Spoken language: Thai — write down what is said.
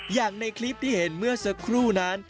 อย่างในคลิปที่เห็นเมื่อสักครู่นั้น